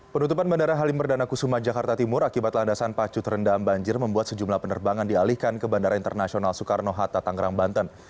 penutupan bandara halim perdana kusuma jakarta timur akibat landasan pacu terendam banjir membuat sejumlah penerbangan dialihkan ke bandara internasional soekarno hatta tanggerang banten